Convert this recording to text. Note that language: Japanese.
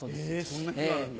そんな日があるんだ。